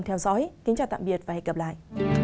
theo dõi kính chào tạm biệt và hẹn gặp lại